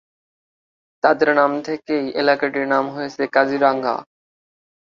তাদের নাম থেকেই এলাকাটির নাম হয়েছে কাজিরাঙ্গা।